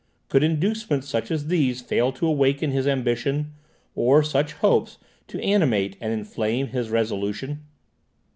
Could inducements such as these fail to awaken his ambition, or such hopes to animate and inflame his resolution?